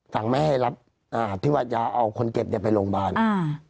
ไม่ให้รับอ่าที่ว่าจะเอาคนเจ็บเนี้ยไปโรงพยาบาลอ่า